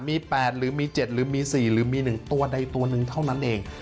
มี๘หรือมี๗หรือมี๔หรือมี๑ตัวใดตัวหนึ่งเท่านั้นเอง